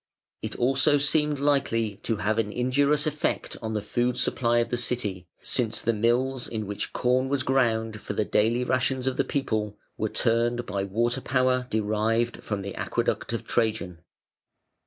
It also seemed likely to have an injurious effect on the food supply of the City, since the mills in which corn was ground for the daily rations of the people were turned by water power derived from the Aqueduct of Trajan.